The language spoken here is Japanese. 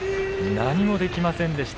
何もできませんでした。